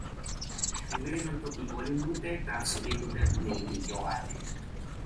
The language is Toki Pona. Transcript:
mi wile lon toki olin mute, taso lipu tenpo mi li jo ale.